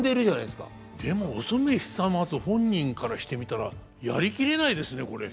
でもお染久松本人からしてみたらやりきれないですねこれ。